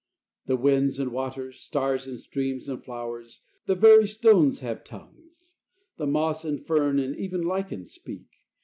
The winds and waters, stars and streams and flowers, The very stones have tongues: and moss and fern And even lichens speak.